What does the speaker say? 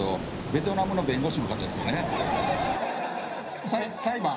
ベトナムの弁護士の方ですよね裁判？